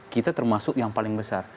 kita termasuk yang paling besar